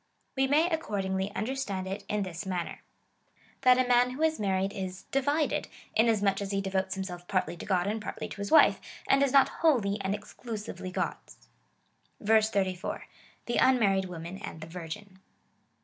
"We may, accord ingly, understand it in this manner — that a man who is married is divided,^ inasmuch as he devotes himself partly to God and partly to his wife, and is not wholly and exclu sively God's. 84. The unviarried woman and the virgin.